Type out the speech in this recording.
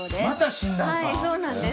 はいそうなんです。